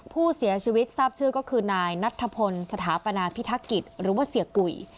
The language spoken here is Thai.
ผู้เสียชีวิตทราบชื่อก็คือนายนัทธพลสถาปนาพิทักกิจหรือว่าเสียกุย